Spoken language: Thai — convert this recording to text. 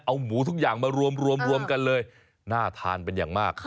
เอาหมูทุกอย่างมารวมกันเลยน่าทานเป็นอย่างมาก